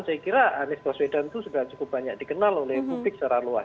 saya kira anies baswedan itu sudah cukup banyak dikenal oleh publik secara luas